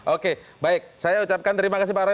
oke baik saya ucapkan terima kasih pak roy